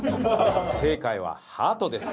「正解はハトです！」